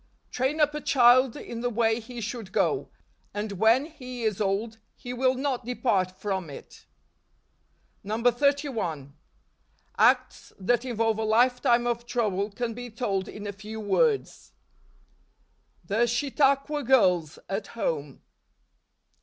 " Train up a child in the way he should go: and when he is old , he will not depart from it. 31. Acts that involve a lifetime of trouble can be told in a few words. The Chautauqua Girls at Home.